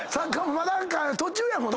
まだ途中やもんな。